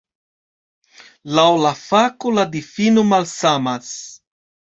Laŭ la fako la difino malsamas.